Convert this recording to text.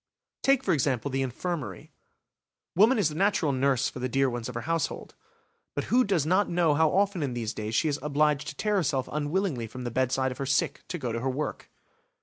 Take, for example, the infirmary; woman is the natural nurse for the dear ones of her household. But who does not know how often in these days she is obliged to tear herself unwillingly from the bedside of her sick to go to her work?